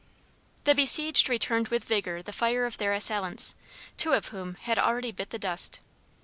The besieged returned with vigor the fire of their assailants, two of whom had already bit the dust.